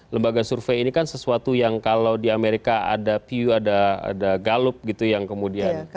lembaga survei ini kan sesuatu yang kalau di amerika ada view ada galup gitu yang kemudian